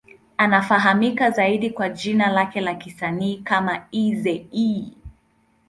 Anafahamika zaidi kwa jina lake la kisanii kama Eazy-E.